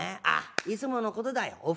あっいつものことだよ。